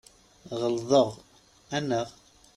Ɣelḍeɣ, anaɣ?